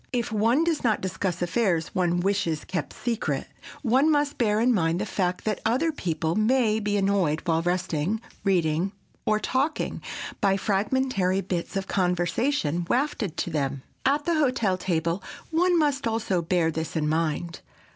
If one does not discuss affairs one wishes kept secret, one must bear in mind the fact that other people may be annoyed while resting, reading or talking, by fragmentary bits of conversation wafted to them. At the hotel table one must also bear this in mind.